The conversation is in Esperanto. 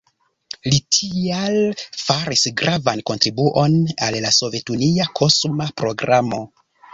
Li tial faris gravan kontribuon al la sovetunia kosma programo.